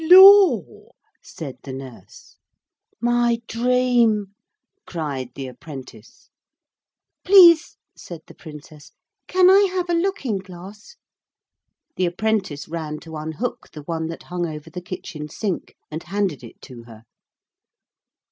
'Lor!' said the nurse. 'My dream!' cried the apprentice. 'Please,' said the Princess, 'can I have a looking glass?' The apprentice ran to unhook the one that hung over the kitchen sink, and handed it to her.